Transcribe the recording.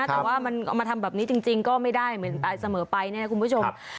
แต่ว่ามันเอามาทำแบบนี้จริงก็ไม่ได้เหมือนเสมอไปเนี่ยนะคุณผู้ชม